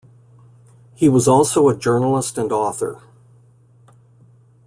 He was also a journalist and author.